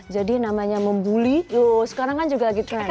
jadi namanya membuli yuk sekarang kan juga lagi trend ya